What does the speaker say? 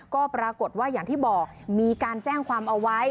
ก็ปรากฏว่าอย่างที่บอกมีการแจ้งความเอาไว้